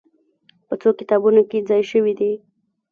په څو کتابونو کې ځای شوې دي.